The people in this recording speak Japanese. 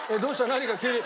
何か急に。